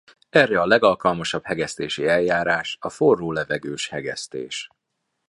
Erre a legalkalmasabb hegesztési eljárás a forró levegős hegesztés.